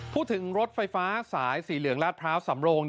พูดถึงรถไฟฟ้าสายสีเหลืองลาดพร้าวสำโล่ง